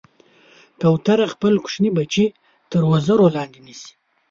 کوتره خپل کوچني بچي تر وزر لاندې نیسي.